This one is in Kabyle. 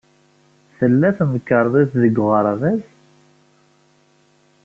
Tella temkarḍit deg uɣerbaz?